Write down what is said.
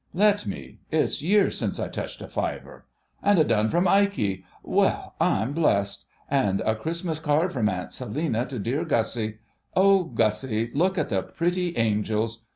"Let me—it's years since I touched a fiver.... And a dun from Ikey—well, I'm blessed! And a Christmas card from Aunt Selina to dear Gussie—oh, Gussie, look at the pretty angels!